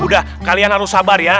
udah kalian harus sabar ya